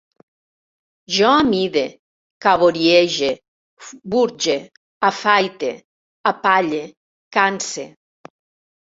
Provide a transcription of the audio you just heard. Jo amide, caboriege, burge, afaite, apalle, canse